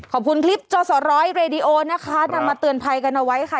ขอบคุณคลิปจอสอร้อยเรดีโอนะคะนำมาเตือนภัยกันเอาไว้ค่ะ